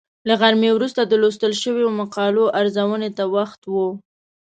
له غرمې وروسته د لوستل شویو مقالو ارزونې ته وخت و.